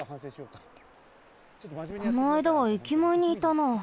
このあいだはえきまえにいたな。